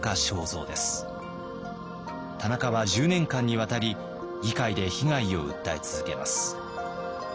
田中は１０年間にわたり議会で被害を訴え続けます。